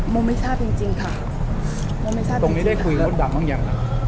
โมงไม่ทราบจริงจริงตรงนี้ได้คุยกับมดดำบ้างยังอ่ะ